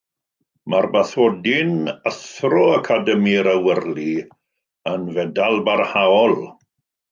Mae'r Bathodyn Athro Academi'r Awyrlu yn fedal barhaol.